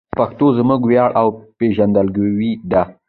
پښتو زموږ ویاړ او پېژندګلوي ده.